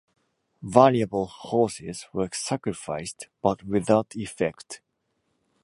Valuable horses were sacrificed, but without effect.